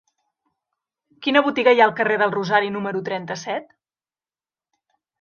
Quina botiga hi ha al carrer del Rosari número trenta-set?